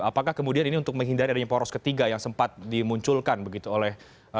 apakah kemudian ini untuk menghindari adanya poros ketiga yang sempat dimunculkan begitu oleh